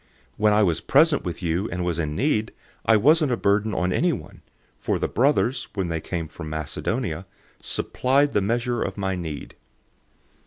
011:009 When I was present with you and was in need, I wasn't a burden on anyone, for the brothers, when they came from Macedonia, supplied the measure of my need.